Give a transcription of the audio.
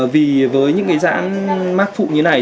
vì với những cái dán mát phụ như thế này